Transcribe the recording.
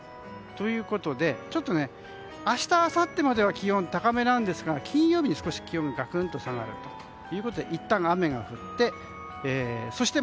ということで、ちょっと明日、あさってまでは気温が高めなんですが金曜日が少し気温が下がるということでいったん雨が降ってそして